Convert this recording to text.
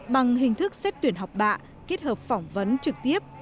bằng hình thức xét tuyển học bạ kết hợp phỏng vấn trực tiếp